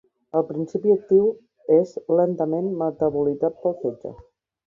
El principi actiu és lentament metabolitzat pel fetge.